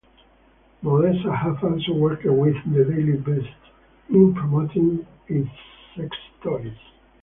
Bellesa have also worked with "The Daily Beast" in promoting its sex toys.